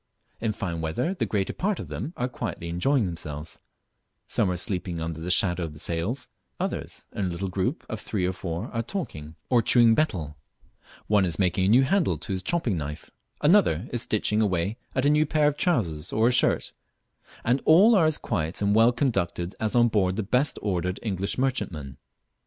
In fine weather the greater part of them are quietly enjoying themselves some are sleeping under the shadow of the sails; others, in little groups of three or four, are talking or chewing betel; one is making a new handle to his chopping knife, another is stitching away at a new pair of trousers or a shirt, and all are as quiet and well conducted as on board the best ordered English merchantman.